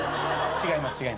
違います。